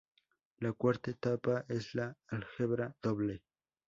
La cuarta etapa es el "álgebra doble".